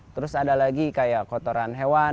terus ada lagi kayak kotoran hewan